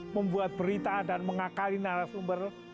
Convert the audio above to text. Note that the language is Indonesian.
membuat berita dan mengakali narasumber